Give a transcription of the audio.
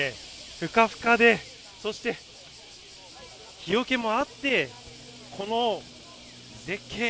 ふかふかで、そして日よけもあって、この絶景。